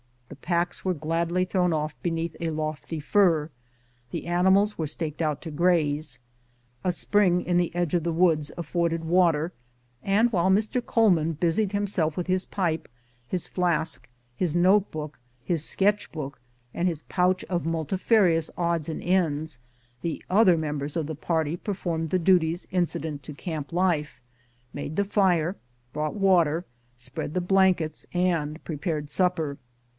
The packs were gladly thrown off beneath a lofty fir ; the animals were staked out to graze. A spring in the edge of the woods afforded water, and while Mr. Coleman busied himself with his pipe, his flask, his note book, his sketch book, and his pouch of multifarious odds and ends, the other members of the party performed the duties incident to camp life: made the fire, brought water, spread the blankets, and prepared supper.